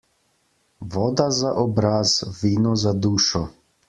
Voda za obraz, vino za dušo.